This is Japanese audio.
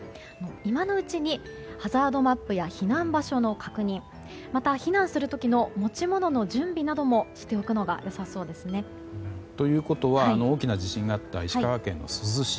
今のうちにハザードマップや避難場所の確認また避難する時の持ち物の準備などもしておくのが良さそうです。ということは大きな地震があった石川県の珠洲市。